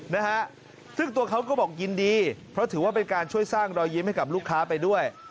นะฮะซึ่งตัวเขาก็บอกยินดีเพราะถือว่าเป็นการช่วยสร้างรอยยิ้มให้กับลูกค้าไปด้วย